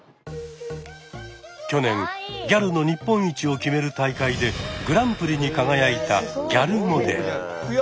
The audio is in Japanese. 去年ギャルの日本一を決める大会でグランプリに輝いたギャルモデル。